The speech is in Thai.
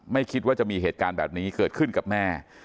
ไม่คิดว่าจะมีเหตุการณ์แบบนี้เกิดขึ้นกับแม่